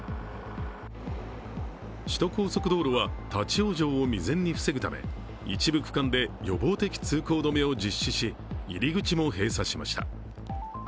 首都高速道路は、立往生を未然に防ぐため、一部区間で予防的通行止めを実施し入り口も閉鎖しました。